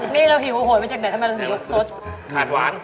นี่เราหิวโหยไปจากไหน